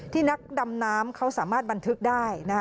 นักดำน้ำเขาสามารถบันทึกได้